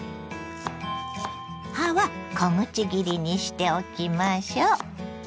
葉は小口切りにしておきましょ。